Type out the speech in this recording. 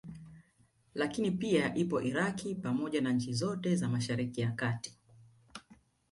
Lakini pia ipo Iraq pamoja na nchi zote za Mashariki ya kati